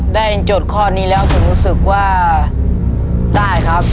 โจทย์ข้อนี้แล้วผมรู้สึกว่าได้ครับ